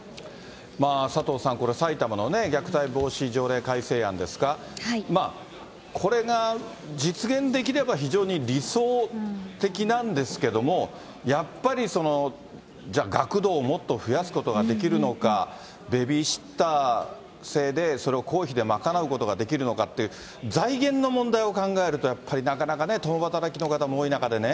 佐藤さん、これ、埼玉の虐待防止条例改正案ですか、これが実現できれば、非常に理想的なんですけども、やっぱりじゃあ、学童もっと増やすことができるのか、ベビーシッター制でそれを公費で賄うことができるのかって、財源の問題を考えると、やっぱりなかなかね、共働きの方も多い中でね。